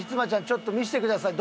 ちょっと見せてください。